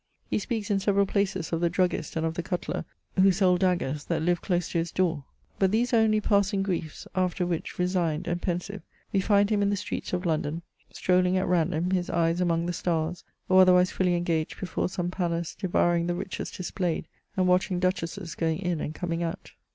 He speaks in several places of the dn^^gist and of the cutler who sold daggers, that lived close to his door. But these are only passing griefs, after which, resigned and pensive, we find him in the streets of London strolling at random, his eyes among the stars, or otherwise fully engaged '^ before some palace devouring the riches displayed, and watching duchesses going in and coming out.